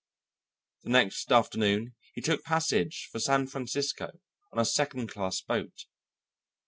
The next afternoon he took passage for San Francisco on a second class boat.